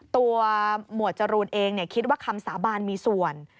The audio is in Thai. หมวดจรูนเองคิดว่าคำสาบานมีส่วน